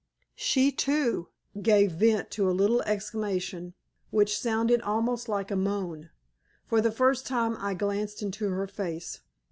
She too gave vent to a little exclamation which sounded almost like a moan. For the first time I glanced into her face.